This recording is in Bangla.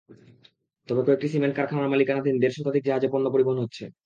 তবে কয়েকটি সিমেন্ট কারখানার মালিকানাধীন দেড় শতাধিক জাহাজে পণ্য পরিবহন হচ্ছে।